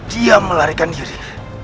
diam melarikan diri